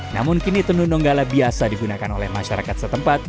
namun kini tenun donggala biasa digunakan oleh masyarakat setempat